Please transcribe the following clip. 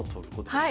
はい。